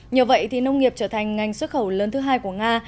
nhờ vậy nông nghiệp trở thành ngành xuất khẩu lớn thứ hai của nga